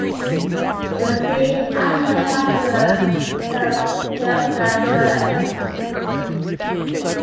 They see "Archaeoraptor" as a "Piltdown Bird".